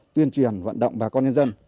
tuyên truyền vận động và con nhân dân